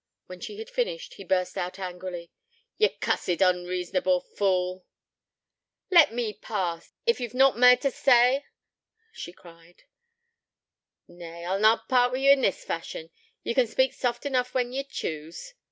When she had finished, he burst out angrily: 'Ye cussed, unreasonable fool.' 'Let me pass, ef ye've nought mare t'say,' she cried. 'Nay, I'll na part wi' ye this fashion. Ye can speak soft enough when ye choose.'